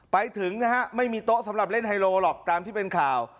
ไปถึงนะฮะไม่มีโต๊ะสำหรับเล่นไฮโลหรอกตามที่เป็นข่าว